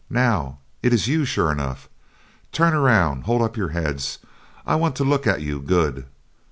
Now is it you sure enough turn around! hold up your heads! I want to look at you good!